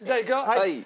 はい。